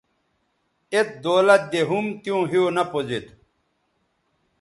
ایت دولت دے ھُم تیوں ھِیو نہ پوزید